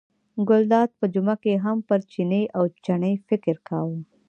ګلداد په جمعه کې هم پر چیني او چڼي فکر کاوه.